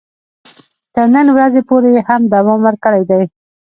تر نن ورځې پورې یې هم دوام ورکړی دی.